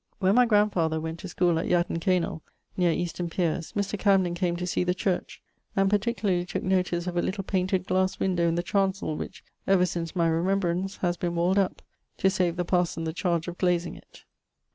When my grandfather went to schoole at Yatton Keynell (neer Easton Piers) Mr. Camden came to see the church, and particularly tooke notice of a little painted glasse windowe in the chancell, which (ever since my remembrance) haz been walled up, to save the parson the chardge of glazing it.